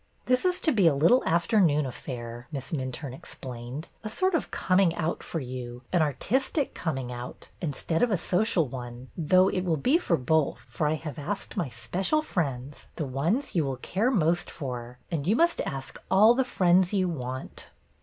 This is to be a little afternoon affair," Miss Minturne explained, a sort of coming out for you, an artistic coming out, instead of a social one, though it will be both, for I have asked my special friends, the ones you will care most for, and you must ask all the friends you want."